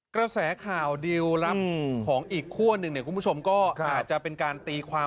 กระแสข่าวดิวลลับของอีกขั้วหนึ่งเนี่ยคุณผู้ชมก็อาจจะเป็นการตีความ